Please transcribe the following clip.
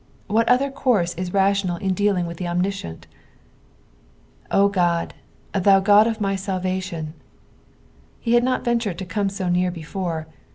What other course 13 rational in dealing with the Omniscient ? "0 God, thoa God i^f mg lahation." He had not ventured to come eo near before.